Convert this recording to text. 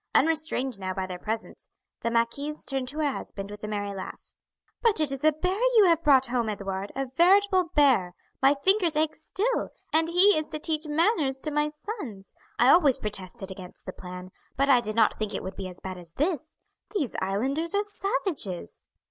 Unrestrained now by their presence, the marquise turned to her husband with a merry laugh. "But it is a bear you have brought home, Edouard, a veritable bear my fingers ache still and he is to teach manners to my sons! I always protested against the plan, but I did not think it would be as bad as this. These islanders are savages."